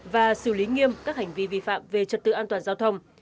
và xử lý nghiêm các hành vi vi phạm về trật tự an toàn giao thông